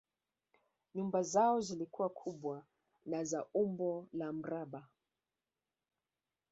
Nyumba zao zilikuwa kubwa na za umbo la mraba